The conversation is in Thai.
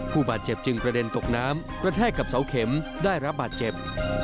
ผู้บาดเจ็บจึงกระเด็นตกน้ำกระแทกกับเสาเข็มได้รับบาดเจ็บ